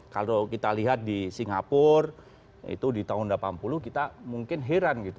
kalau kita lihat di singapura itu di tahun delapan puluh kita mungkin heran gitu